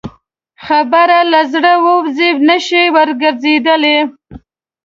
خبره له زړه ووځه، نه شې ورګرځېدلی.